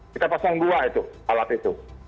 kita pasang dua itu alat itu